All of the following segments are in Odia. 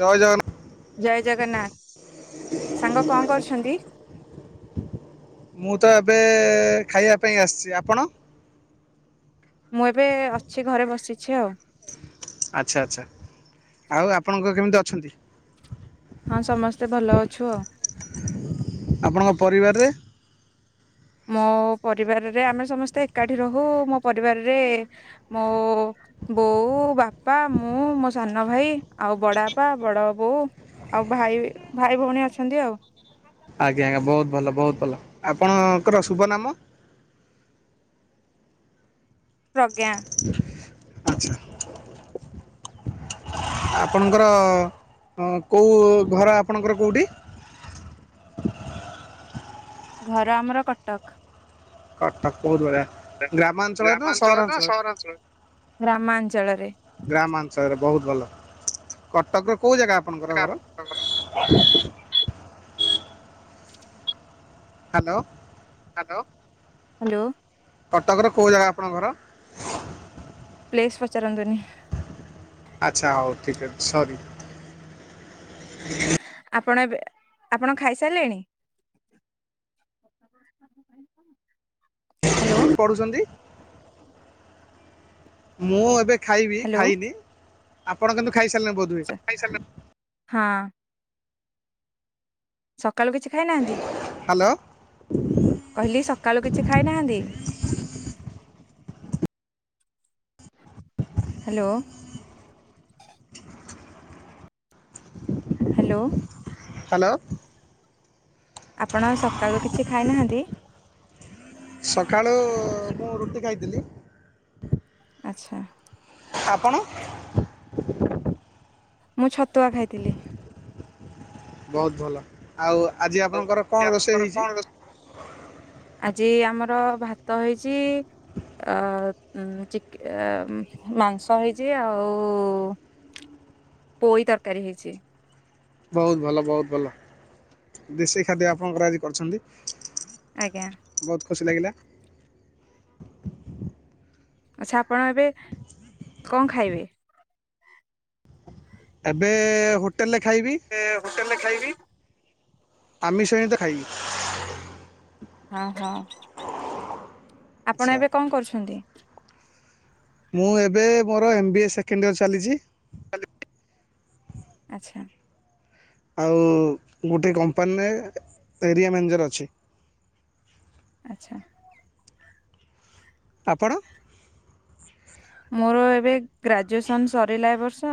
ଜୟ ଜଗନ୍ନାଥ। ଜୟ ଜଗନ୍ନାଥ। ସାଙ୍ଗ କଣ କରୁଛନ୍ତି? ମୁଁ ତ ଏବେ ଖାଇବା ପାଇଁ ଆସିଛି। ଆପଣ? ମୁଁ ଏବେ ଅଛି ଘରେ ବସିଛି ଆଉ। ଆଚ୍ଛା, ଆଚ୍ଛା। ଆଉ ଆପଣଙ୍କ କେମିତି ଅଛନ୍ତି? ହଁ ସମସ୍ତେ ଭଲ ଅଛୁ ଆଉ। ଆପଣଙ୍କ ପରିବାରରେ? ମୋ ପରିବାରରେ ଆମେ ସମସ୍ତେ ଏକାଠି ରହୁ, ମୋ ପରିବାରରେ ମୋ ବୋଉ, ବାପା, ମୁଁ, ମୋ ସାନ ଭାଇ, ଆଉ ବଡ ବାପା, ବଡ ବୋଉ, ଆଉ ଭାଇ-ଭାଇ ଭଉଣୀ ଅଛନ୍ତି ଆଉ। ଆଜ୍ଞା, ଆଜ୍ଞା। ବହୁତ୍ ଭଲ, ବହୁତ୍ ଭଲ, ଆପଣଙ୍କର ଶୁଭ ନାମ? ପ୍ରଜ୍ଞା। ଆଚ୍ଛା। ଆପଣଙ୍କର କେଉଁ ଘର ଆପଣଙ୍କର କେଉଁଠି? ଘର ଆମର କଟକ। କଟକ ବହୁତ ବଢିଆ। ଗ୍ରାମାଞ୍ଚଳରେ ନା ସହରାଳଞ୍ଚରେ? ଗ୍ରାମାଞ୍ଚଳରେ। ଗ୍ରାମାଞ୍ଚଳରେ ବହୁତ ଭଲ। କଟକ ର କୋଉ ଜାଗା ଆପଣଙ୍କର ଘର? ହ୍ୟାଲୋ। ହ୍ୟାଲୋ। ହ୍ୟାଲୋ। ହ୍ୟାଲୋ। କଟକର କେଉଁ ଜାଗା ଆପଣଙ୍କ ଘର? ପ୍ଲେସ୍ ପଚାରୁନ୍ତୁନି? ଆଚ୍ଛା ହଉ ଠିକ୍ ଅଛି। ସରି। ଆପଣ ଏବେ, ଆପଣ ଖାଇସାରିଲେଣି? ହ୍ୟାଲୋ ପଢୁଛନ୍ତି। ମୁଁ ଏବେ ଖାଇବି ହ୍ୟାଲୋ। ଖାଇନି ଆପଣ କିନ୍ତୁ ଖାଇସାରିଲେ ବହୁତ [unintelligible] ହଁ ସକାଳୁ କିଛି ଖାଇନାହାନ୍ତି ହ୍ୟାଲୋ। କହିଲି ସକାଳୁ କିଛି ଖାଇନାହାନ୍ତି। ହ୍ୟାଲୋ ହ୍ୟାଲୋ ହ୍ୟାଲୋ ଆପଣ ସକାଳୁ କିଛି ଖାଇନାହାନ୍ତି? ସକାଳୁ ମୁଁ ରୁଟି ଖାଇଥିଲି। ଆଚ୍ଛା ଆପଣ ମୁଁ ଛତୁଆ ଖାଇଥିଲି। ବହୁତ ଭଲ ଆଉ ଆଜି ଆପଣଙ୍କର କଣ ରୋଷେଇ ହେଇଛି [unintelligible] ଆଜି ଆମର ଭାତ ହେଇଚି। ଅ ଉ ଚିକେ ମାଂସ ହେଇଛି ଆଉ ପୁଇ ତରକାରୀ ହେଇଛି। ବହୁତ ଭଲ ବହୁତ ଭଲ ଦେଶୀ ଖାଦ୍ୟ ଆପଣଙ୍କର ଆଜି କରଚନ୍ତି। ଆଜ୍ଞା ବହୁତ ଖୁସି ଲାଗିଲା। ଆଛା ଆପଣ ଏବେ କଣ ଖାଇବେ? ଏବେ ହୋଟେଲରେ ଖାଇବି। ଏବେ ହୋଟେଲ ରେ ଖାଇବି। ଆମିଷ ହିଁତ ଖାଇବି। ଅଁ ହଁ ଆଚ୍ଛା ଆପଣ ଏବେ କଣ କରୁଛନ୍ତି? ମୁଁ ଏବେ ମୋର ଏମବିଏ ସେକେଣ୍ଡ ଇୟର୍ ଚାଲିଛି। ଆଚ୍ଛା ଆଉ ଗୋଟେ କମ୍ପାନୀରେ ଏରିଆ ମ୍ୟାନେଜର୍ ଅଛି। ଆଚ୍ଛା ଆପଣ? ମୋର ଏବେ ଗ୍ରାଜୁଏସନ ସରିଲା ଏ ବର୍ଷ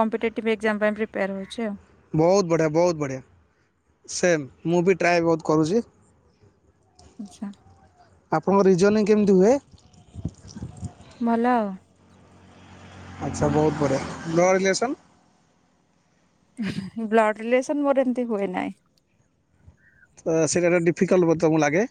କମ୍ପିଟେଟିଭ ଏକ୍ଜାମ ପାଇଁ ପ୍ରିପେୟାର ହଉଛି ଆଉ। ବହୁତ ବଢ଼ିଆ ବହୁତ ବଢ଼ିଆ ସେମ୍ ମୁଁ ବି ଟ୍ରାଏ ବହୁତ କରୁଚି। ଆଚ୍ଛା ଆପଣଙ୍କ ରିଜର୍ନିଂ କେମିତି ହୁଏ? ଭଲ ଆଉ। ଆଚ୍ଛା ବହୁତ ବଢ଼ିଆ ଗଡ଼ଲେସନ୍ ବ୍ଲଡ ରିଲେସନ ମୋର ଏମିତି ହୁଏ ନାହିଁ। ତ ସେଇଟା ଡିଫିକଲ୍ଟକୁ ବୋଧେ ତମକୁ ଲାଗେ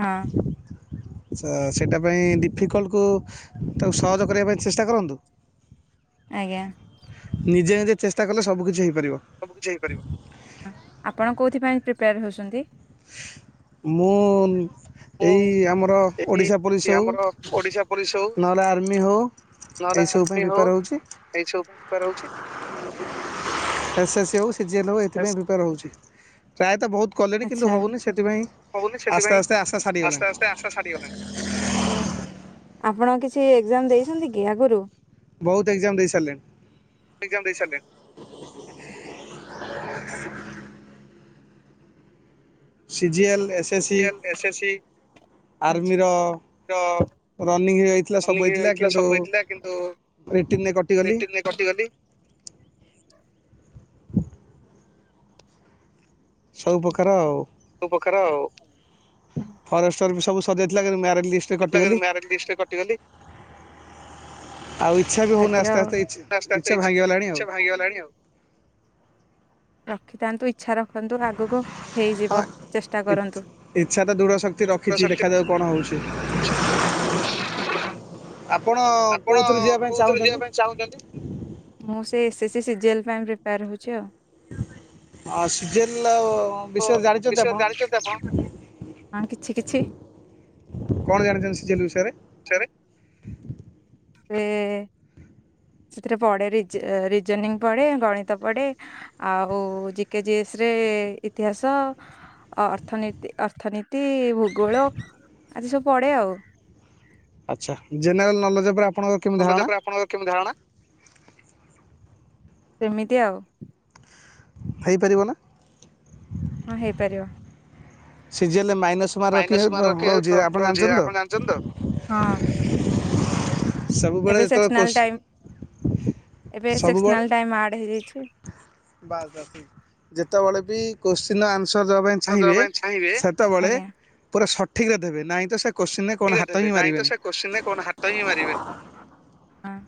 ହଁ ତ ସେଇଟା ପାଇଁ ଡିଫିକଲ୍ଟକୁ ତାକୁ ସହଜ କରିବା ପାଇଁ ଚେଷ୍ଟା କରନ୍ତୁ। [inaudible] ଆଜ୍ଞା ନିଜେ ନିଜେ ଚେଷ୍ଟା କଲେ ସବୁ କିିଛି ହେଇପାରିବ। [unintelligible] ଆପଣ କୋଉଥିପାଇ ପ୍ରିପୋର ହେଉଛନ୍ତି? ମୁଁ ମୁଁ ଏଇ ଆମର ଓଡ଼ିଶା ଏଇ ପୋଲିସ ଆମର ଓଡିଶା ପୋଲିସ ହଉ ହେଉ ନହେଲେ ଆର୍ମି ହଉ ନହେଲେ ଏଇସବୁ ଆର୍ମି ପାଇଁ ହଉ ପ୍ରିପେୟର ହେଉଚି। ଏଇ ସବୁ ପାଇଁ [unintelligible] ଏସ୍ ଏସ୍ ହେଉ ସି ଜି ଏଲ ହେଉ ଏଥିପାଇଁ ବାସ୍ ପ୍ରିପେୟାର ହେଉଛି। ପ୍ରାୟ ତ ବହୁତ କଲେଣି କିନ୍ତୁ ଆଚ୍ଛା। ହଉନି ସେଥିପାଇଁ ଆସ୍ତେ ଆସ୍ତେ ଆସ୍ତେ ସାରିଗଲେଣି। ସା ସାଡ଼ିିଗଲାଣି। ଓ ଆପଣ କିଛି ଏକ୍ଜାମ ଦେଇଛନ୍ତି କି ଆଗରୁ? ବହୁତ ଏକ୍ଜାମ ଦେଇ ସାରିଲେ। ଏକ୍ସଜାମ ଦେଇ [unintelligible] C G L. C G L SSC ଆର୍ମିର ରନିଂ ହେଯାଇଥିଲା ରନିଂ ସବୁ ହେଇଥିଲା ହେଇଯାଇଥିଲା କିନ୍ତୁ ସବୁ ହେଇଥିଲା କିନ୍ତୁ ରେଟିନ କଟିଗଲି। [unintelligible] ସବୁ ପ୍ରକାର ଆଉ [unintelligible] ଫରେଷ୍ଟର ବି ସବୁ ସଜେଇଥିଲା [unintelligible] [unintelligible] ମ୍ୟାରେଜ ଲିଷ୍ଟରେ କଟିଦେଲି। ଆଉ ଇଚ୍ଛା ବି ହେଉନି ଭାଗ୍ୟ ଇଚ୍ଛା ଆସ୍ତେ ଇଚ୍ଛା ଆସ୍ତେଛା ଭାଙ୍ଗିଗଲାଣି ଆଉ [unintelligible] ଭାଇ ଗଲାଣି [unintelligible] ରଖିଥାନ୍ତୁ ଇଚଛା ରଖନ୍ତୁ ଆଗକୁ। ହଁ ହେଇଯିବ ଚେଷ୍ଟା କରନ୍ତୁ। ଇଚ୍ଛା ତ ଦୂଢ ଶକ୍ତି ରଖିଛି ଶକ୍ତି ଦେଖାଯାଉ କଣ ହଉଛି? ଅଛି [inaudible] ଆପଣ ଆପଣ କେଉଁଥିରେ ଯିବା ପାଇଁ କୋଉଥିରେ ଯିବା ଚାହୁଁଛନ୍ତି ପାଇଁ ଚାହୁଚନ୍ତି? ଆ ସିଜେଲ ଓ ବିଷୟରେ ଜାଣିଛନ୍ତି ବିଷୟରେ ଜାଣିଛନ୍ତି ଆପଣ? ହଁ କିଛି କିଛି। କଣ ଜାଣିଛନ୍ତି ସିଜିଏଲ ବିଷୟରେ? ସେ [inaudible] ସେଥିରେ ପଡେ ରିଜନିଂ ପଢେ ଗଣିତ ପଡେ। ଆଉ ଜିକେଜି ଏସ ରେ ଇତିହାସ। ଅ ଅର୍ଥନୀତି ଅର୍ଥନୀତି ଭୂଗୋଳ ଏମିତି ସବୁ ପଡେ ଆଉ। ଆଚ୍ଛା ଜେନେରାଲ ନଲେଜ ଉପରେ ଆପଣଙ୍କ ଆପଣଙ୍କର କେମିତି ଧାରଣା? ହେଇପାରିବ ନା? ହଁ ହେଇପାରିବ। ସିଜିଏଲ ମାଇନସ୍ ମାର୍କିଙ୍ଗି [unintelligible] ରହୁଛି ଆପଣ ଜାଣିଛନ୍ତି ତ? ହଁ। ସବୁବେଳେ ଏବେ ଯେତେବେଳେ କ ସେକ୍ସନାଲ ଟାଇମ୍ ଏବେ ସବୁବେଳେ ସେକ୍ସନାଲ ଟାଇମ୍ ଆଡ୍ ହେଇଯାଇଛି। ବାସ [unintelligible] ଯେତେବେଳେ ବି କୋଶ୍ଚିନ୍ ଆନ୍ସର ଦେବା ପାଇଁ ଦବା ଚାହିଁବେ ପାଇଁ ଚାହିଁବେ ସେତେବେଳେ ଠିକ୍ ପୁରା ସଠିକରେ ଦେବେ ନାହିଁ ତ ସେ କୋଶ୍ଚିିନରେ କଣ ହାତ ଦେବେ ହିଁ ନାଇଁ ତ ମାରିବେନି ସେ କୋତ୍ସିନ୍ ରେ କଣ ହାତ ହିଁ ମାରିବେନି।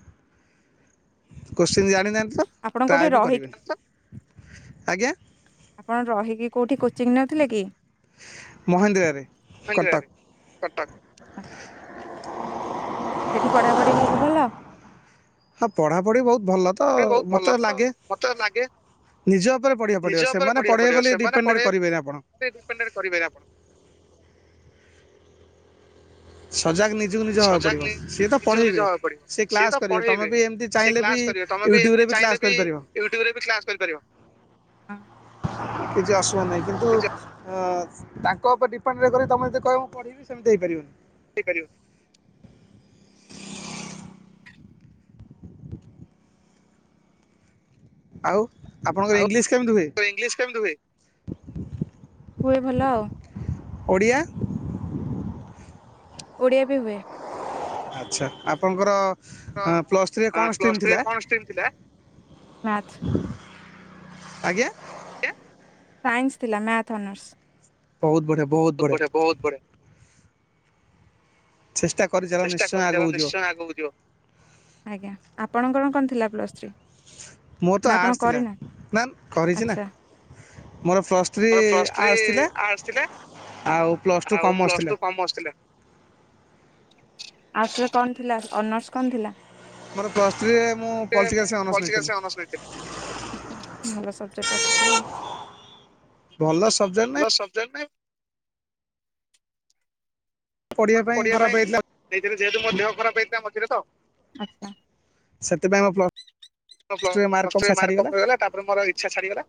କୋଶ୍ଚିନ୍ ଜାଣିନାନ୍ତି ତ ଆପଣ କୋଉଠି ଟ୍ରାଏ ବି ରହିକି କରିବେନି ଆଜ୍ଞା। ଆପଣ ରହିକି କୋଉଠି କୋଚିଂ ନେଉଥିଲେ କି? ମହେନ୍ଦ୍ରାରେ କଟକ। କେନ୍ଦ୍ରାରେ କଟକ ସେଠି ପଢାପଢି ବାବୁ ଭଲ ହଁ ପଢ଼ାପଢ଼ି ବହୁତ ଭଲ ତ ବହୁତ ଭଲ ମୋତେ ତ ଲାଗେ ମତେ ଲାଗେ ନିଜ ଉପରେ ପଢ଼ିବାକୁ ନିଜ ପଡ଼ିବ ସେମାନେ ପଢ଼େଇବ ବୋଲି ଡିପେଣ୍ଡେଡ଼୍ କରିବେନି ଆପଣ। ଡିପେଣ୍ଡ କରିବେନି ଆପଣ ସଜାଗ ନିଜକୁ ନିଜ ହେବାକୁ ସଜାଗ ପଡ଼ିବ ନି ସିଏ ତ ନିଜକୁ ନିଜ ପଢ଼େଇବେ ହବାକୁ ପଡିବ ସିଏ କ୍ଲାସ୍ ସିଏତ କରିବେ ତୁମେ ପଢେଇବେ ବି ଏମିତି ସେ ଚାହିଁଲେ ବି କ୍ଲାସ କରିବେ ତମେ ବି ୟୁଟ୍ୟୁବରେ ଏମିତି ଚାହିଁଲେ କ୍ଲାସ୍ ବି କରିପାରିବ ୟୁଟ୍ୟୁବରେ ବି କ୍ଲାସ୍ କରିପାରିବ। କିଛି ଆସୁବ ନାହିଁ କିନ୍ତୁ ଅସୁବିଧା ହ ତାଙ୍କ ଉପରେ ଡିପେଣ୍ଡଡ କରି ତମେ ଯଦି କହିବ ମୁଁ ପଢ଼ିବି ସେମିତି ହେଇପାରିବନି। ହେଇପାରିବ ଆଉ ଆପଣଙ୍କର ଆଉ ଇଂଲିଶ କେମିତି ହୁଏ? ଇଂଲିଶ କେମିତି ହୁଏ? ହୁଏ ଭଲ ଆଉ। ଓଡ଼ିଆ ଓଡ଼ିଆ ବି ହୁଏ। ଆଚ୍ଛା ଆପଣଙ୍କର ତ ପ୍ଲସ୍ ଥ୍ରୀରେ କଣ ପ୍ଲସ ଷ୍ଟ୍ରିମ୍ ଥିଲା? ଥ୍ରୀରେ କଣ ଷ୍ଟ୍ରିମ୍ ଥିଲା? ମ୍ୟାଥ ଆଜ୍ଞା ସାଇନ୍ସ ଥିଲା ମ୍ୟାଥ୍ ଅନର୍ସ ବହୁତ ବଢ଼ଆ, ବହୁତ ବଢିଆ ଚେଷ୍ଟା କରିଚାଲ ଚେଷ୍ଟା ନିଶ୍ଚୟ କରି ଚାଲ ଆଗକୁ ଯିବ। ନିଶ୍ଚୟ ଆଗକୁ ଯିବ। ଆଜ୍ଞା ଆପଣଙ୍କର କଣ ଥିଲା ପ୍ଲସ୍ ଥ୍ରୀ? ମୋର ତ ନା ଆପଣ ଆର୍ଟ୍ସ ଥିଲା। କରିନା ନା କରିଛି ନା ଆଚ୍ଛା। ମୋର ପ୍ଲସ୍ ଥ୍ରୀ ମୋର ପ୍ଲସ ଥ୍ରୀ ଆର୍ଟସ୍ ଥିଲା। ଆର୍ଟସ ଥିଲା ଆଉ ପ୍ଲସ୍ ଟୁ ଆଉ କମର୍ସ ପ୍ଲସ ଟୁ ଥିଲା। କମର୍ସ ଥିଲା। ଆର୍ଟ୍ସ ରେ କଣ ଥିଲା ଅନର୍ସ କଣ ଥିଲା? ମୋର ପ୍ଲସ୍ ଥ୍ରୀରେ ମୁଁ ପଲିଟିକାଲସରେ ଅନର୍ସ ନେଇଥିଲି। କସ୍ମେଟିକ୍ ଭଲ ସବଜେକ୍ଟ ରଖିଥିଲେ ଆଉ ଭଲ ସବଜେକ୍ଟ ଭଲ ନାଇଁ ସବଜେକ୍ଟ ନାଇଁ ପଢ଼ିବା ପଢିବା ଖରାପ ପାଇଁ ହେଇଥିଲା ଦେଇଥିଲି, ଯେହେତୁ ମୋର ଦେହ ଖରାପ ହେଇଥିଲା ମଝିରେ ତ। ସେଥିପାଇଁ ମୋ ପ୍ଲସ୍ ଆଚ୍ଛା ଟୁରେ କମ୍ ପ୍ଲଷ୍ଟୁ ରେ ମାର୍କ ଛାଡ଼ିଗଲା। କମ ରହିଗଲା, ତାପରେ ମୋର ଇଚ୍ଛା ଛାଡିଗଲା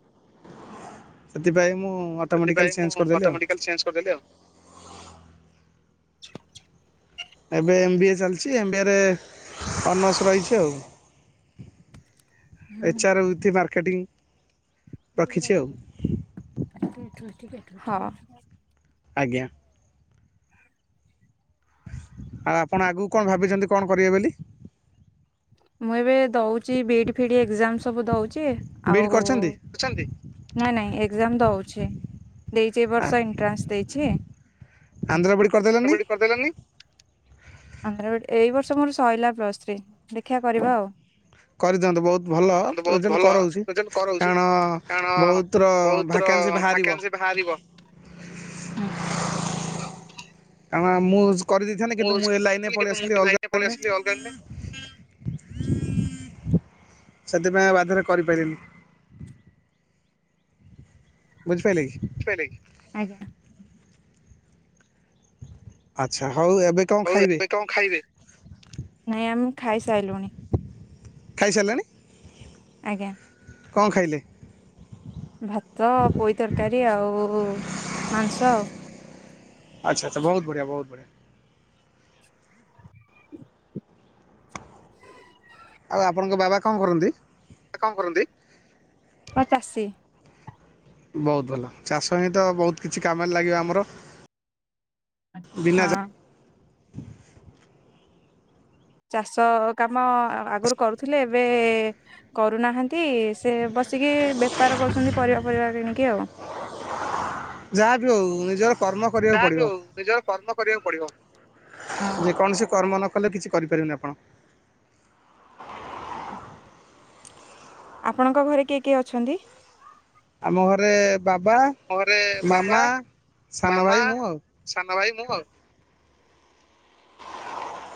ସେଥିପାଇଁ ମୁଁ ଅଟୋମେଟିକାଲି ସେଥିପାଇଁ ଚେଞ୍ଜ ମୁଁ କରିଦେଲି ଆଉ ଅଟୋମେଟିକାଲ ଚେଞ୍ଜ କରିଦେଲି ଆଉ। [inaudible] ଏବେ ଏମ୍ ବି ଏ ଚାଲିଛି ଏମ୍ ବି ଏରେ ଅନର୍ସ ରହିଛି ଆଉ ଏଚ ଆର ୱିଥ ମାର୍କେଟିଂ। ରଖିଛି ଆଉ ହଁ ଆଜ୍ଞା ଆଉ ଆପଣ ଆଗକୁ କଣ ଭାବିଛନ୍ତି କଣ କରିବେ ବୋଲି? ମୁଁ ଏବେ ଦଉଛି ବିଇଡି ଫିଇଡି ଏକ୍ଜାମ ସବୁ ଦଉଛି ବିଇଡ଼ି ଆଉ କରିଛନ୍ତି ଛନ୍ତି ନାଇଁ ନାଇଁ ଏକ୍ଜାମ୍ ଦଉଛି। ଦେଇଚି ଏଇ ଆ- ବର୍ଷ ଏନ୍ଟ୍ରାସ୍ ଦେଇଚି। ଆନ୍ଧ୍ର ବିଇଡ଼ି ବି କରିଦେଲେନି ଇ ଡି କରିଦେଲେନି ଆନ୍ଧ୍ରା ବିଡ, ଏଇ ବର୍ଷ ମୋର ସଇଲା ପ୍ଲସ୍ତ୍ରୀ ଦେଖିବା କରିବା ଆଉ। କରିଦିଅନ୍ତୁ ବହୁତ ଭଲ ବହୁତ ରେଜଲ୍ଟ ଭଲ କରଉଛି ରେଜଲ୍ଟ କରଉଛି। କାରଣ କାରଣ ବହୁତର ବହୁତ ର ଭ୍ୟାକେନ୍ସି ବାହାରିବ। ଭାକାନ୍ସି ବାହାରିବ। କାରଣ ମୁଁ କରିଦେଇଥାନ୍ତି। କିନ୍ତୁ, ମୁଁ ଏ ଲାଇନେ ପଳେଇ କିନ୍ତୁ ମୁଁ ଆସିଲି ଅଲଗା ପଳେଇ ଲାଇନରେ ଆସିଲି ଅଲଗା ଲାଇନରେ ସେଥିପାଇଁ ଆଉ ବାଧ୍ୟରେ କରିପାରିଲିନି। ବୁଝିପାଇଲେ କି? ବୁଝିପେଲେ କି? ଆଜ୍ଞା! ଆଚ୍ଛା ହଉ ଏବେ କ'ଣ ହୋଉ, ଖାଇବେ ଏବେ କଣ ଖାଇବେ? ନାଇଁ ଆମେ ଖାଇସାରିଲୁଣି। ଖାଇସାରିଲେଣି? ଆଜ୍ଞା! କଣ ଖାଇଲେ? ଭାତ, ପୋଇ ତରକାରୀ ଆଉ ମାଂସ ଆଉ। ଆଚ୍ଛା-ଆଚ୍ଛା! ବହୁତୁବଢିଆ-ବହୁତୁବଢିଆ। ଆଉ, ଆପଣଙ୍କ ବାବା କଣ କରନ୍ତି? କଣ କରନ୍ତି? ଚାଷୀ। ବହୁତ ଭଲ, ଚାଷ ହିଁ ତ ବହୁତ କିଛି କାମରେ ଲାଗିବ ଆମର। ବିନା ହଁ ଯା ଚାଷ କାମ ଆଗରୁ କରୁଥିଲେ, ଏବେ କରୁନାହାନ୍ତି, ସେ ବସିକି ବେପାର କରୁଛନ୍ତି ପରିବା ଫରିବା କିଣିକି ଆଉ। ଯାହା ବିି ହଉ ନିଜର କର୍ମ କରିବାକୁ ଯାହା ବି ପଡ଼ିବ, ହଉ ନିଜର କର୍ମ କରିବାକୁ ପଡିବ। ହଁ ଯେକୌଣସି କର୍ମ ନ କଲେ, କିଛି କରିପାରିବନି ଆପଣ। ଆପଣଙ୍କ ଘରେ କିଏ କିଏ ଅଛନ୍ତି? ଆମ ଘରେ ବାବା, ଆମ ଘରେ ବାବା ମାମା, ସାନ ମାମା ଭାଇ, ମୁଁ ଆଉ। ସାନ ଭାଇ, ମୁଁ ଆଉ। [inaudible]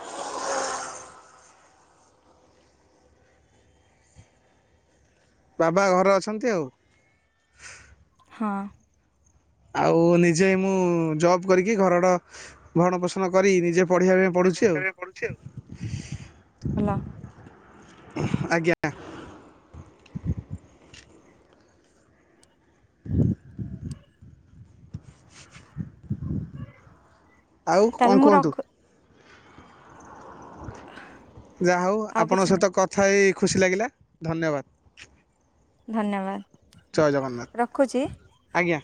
ବାବା ଘରେ ଅଛନ୍ତି ଆଉ। ହଁ! ଆଉ ନିଜେ ମୁଁ ଜବ୍ କରିକି ଘରର ଭରଣ ପୋଷଣ କରି ନିଜେ ପଢ଼ିବା ପାଇଁ ପଢିବା ପଢୁଛି ଆଉ, ପାଇଁ ପଡୁଛି ଆଉ। ଭଲ ଆଜ୍ଞା! ଆଉ ତାହେଲେ କଣ ମୁଁ କୁହନ୍ତୁ? ରଖୁ ଯାହା ହଉ! ଆଉ ଆପଣଙ୍କ କିଛି ସହିତ ନାହିଁ କଥା ହେଇ ଖୁସି ଲାଗିଲା। ଧନ୍ୟବାଦ! ଧନ୍ୟବାଦ! ଜୟ ଜଗନ୍ନାଥ ରଖୁଛି? ଆଜ୍ଞା!